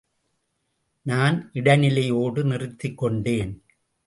நான் இடைநிலையோடு நிறுத்திக்கொண்டேன்.